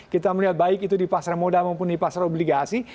kita melihat baik itu di pasar modal maupun di pasar obligasi